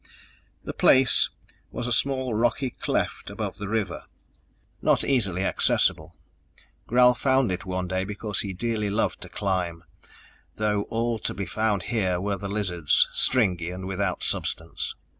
The Place was a small rocky cleft above the river, not easily accessible.... Gral found it one day because he dearly loved to climb, though all to be found here were the lizards, stringy and without substance.